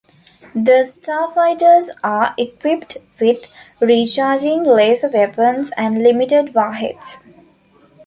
The starfighters are equipped with recharging laser weapons and limited warheads.